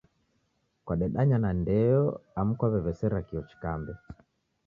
Kwadedanya na ndeo amu kwaw'ew'esera kio chikambe?